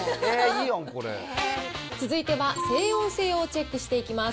続いては、静音性をチェックしていきます。